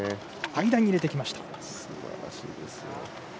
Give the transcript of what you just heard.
間に入れてきました。